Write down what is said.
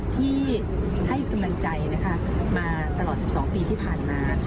ที่ให้กำลังใจนะคะมาตลอด๑๒ปีที่ผ่านมา